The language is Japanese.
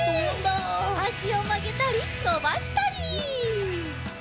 あしをまげたりのばしたり。